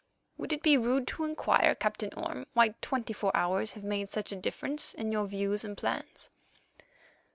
"Would it be rude to inquire, Captain Orme, why twenty four hours have made such a difference in your views and plans?"